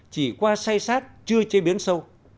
chỉ qua say sát chưa chế biến sâu